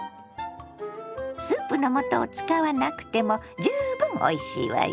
スープのもとを使わなくても十分おいしいわよ。